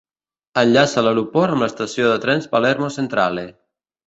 Enllaça l"aeroport amb l"estació de trens Palermo Centrale.